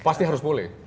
pasti harus boleh